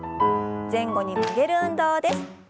前後に曲げる運動です。